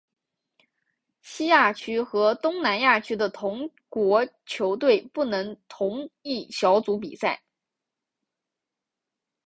西亚区和东南亚区的同国球队不能同一小组比赛。